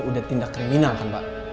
udah tindak kriminal kan pak